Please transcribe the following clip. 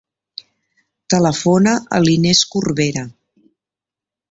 Telefona a l'Inés Corbera.